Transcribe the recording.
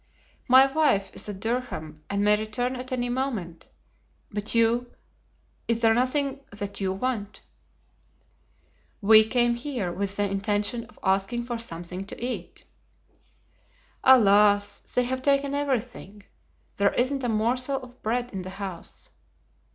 "My wife is at Durham and may return at any moment. But you—is there nothing that you want?" "We came here with the intention of asking for something to eat." "Alas, they have taken everything; there isn't a morsel of bread in the house."